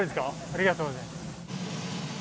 ありがとうございます。